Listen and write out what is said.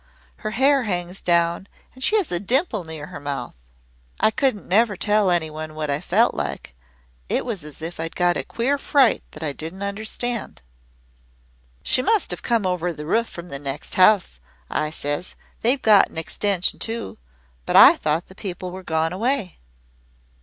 Her hair hangs down and she has a dimple near her mouth.' "I couldn't never tell any one what I felt like. It was as if I'd got a queer fright that I didn't understand. "'She must have come over the roof from the next house,' I says. 'They've got an extension too but I thought the people were gone away.'